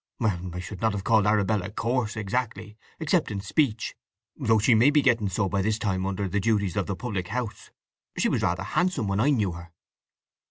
"Well—I should not have called Arabella coarse exactly, except in speech, though she may be getting so by this time under the duties of the public house. She was rather handsome when I knew her."